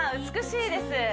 美しいです